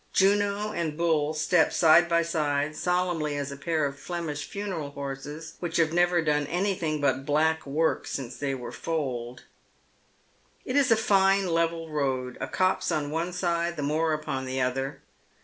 Juno and Bull step side by side, solemnly as a pair of Flemish funeral horses, which have never done anything but " black work " since they were foaled. It is a fine level road, a copse on one side, the moor upon the other.